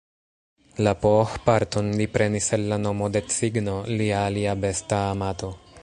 La "pooh"-parton li prenis el la nomo de cigno, lia alia besta amato.